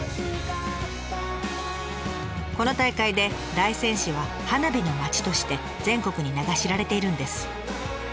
この大会で大仙市は花火の町として全国に名が知られているんです。